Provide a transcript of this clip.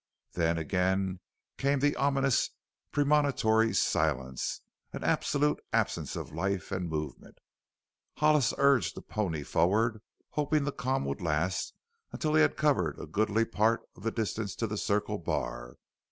Then again came the ominous, premonitory silence an absolute absence of life and movement. Hollis urged the pony forward, hoping the calm would last until he had covered a goodly part of the distance to the Circle Bar.